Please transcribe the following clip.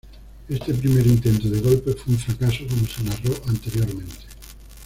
Este primer intento de golpe fue un fracaso como se narró anteriormente.